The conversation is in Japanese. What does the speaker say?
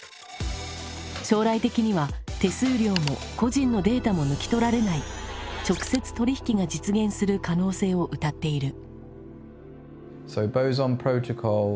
将来的には手数料も個人のデータも抜き取られない直接取引が実現する可能性をうたっている。